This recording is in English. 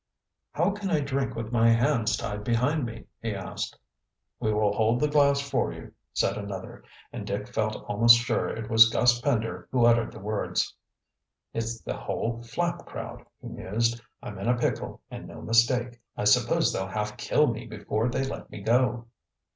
"How can I drink with my hands tied behind me?" he asked. "We will hold the glass for you," said another, and Dick felt almost sure it was Gus Pender who uttered the words. "It's the whole Flapp crowd," he mused. "I'm in a pickle and no mistake. I suppose they'll half kill me before they let me go."